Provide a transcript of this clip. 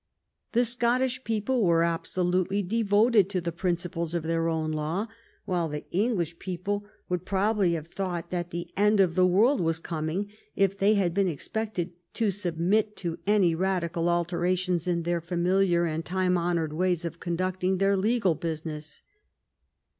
The Scottish people were absolutely devoted to the principles of their own law, while the English people would probably have thought that the end of the world was coming if they had been expected to submit to any radical alterations in their familiar and time honored ways of conducting their legal business.